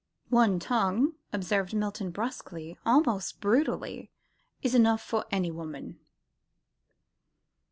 "One tongue," observed Milton brusquely, almost brutally, "is enough for any woman."